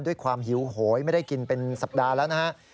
ด้วยความหิวโหยไม่ได้กินเป็นสัปดาห์แล้วนะฮะ